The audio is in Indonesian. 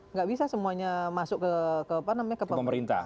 nggak bisa semuanya masuk ke pemerintah